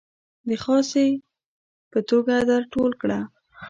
د خاصې په توګه در ټول کړه.